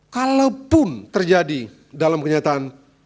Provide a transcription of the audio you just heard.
kalaupun terjadi dalam kenyataan